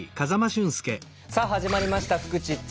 さあ始まりました「フクチッチ」。